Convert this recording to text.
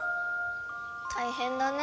大変だね。